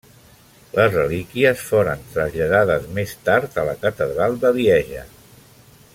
Les relíquies foren traslladades més tard a la Catedral de Lieja.